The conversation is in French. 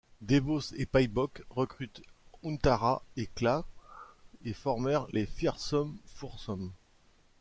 Devos et Paibok recrutèrent Huntara et Klaw et formèrent les Fearsome Foursome.